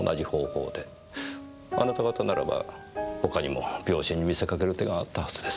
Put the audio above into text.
あなた方ならば他にも病死に見せかける手があったはずです。